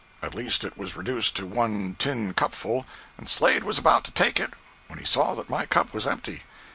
At least it was reduced to one tin cupful, and Slade was about to take it when he saw that my cup was empty.